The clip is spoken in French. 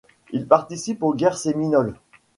Il participe aux guerres séminoles.